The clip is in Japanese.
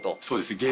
そうです。